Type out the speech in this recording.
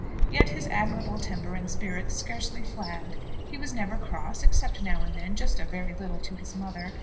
Yet his admirable temper and spirits scarcely flagged. He was never cross, except, now and then, just a very little to his mother.